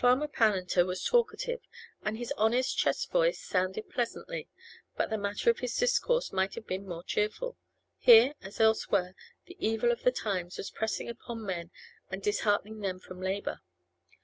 Farmer Pammenter was talkative, and his honest chest voice sounded pleasantly; but the matter of his discourse might have been more cheerful. Here, as elsewhere, the evil of the times was pressing upon men and disheartening them from labour.